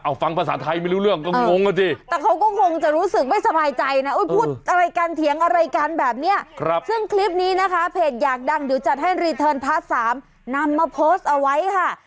เอาฟังภาษาไทยไม่รู้เรื่องก็งงละที่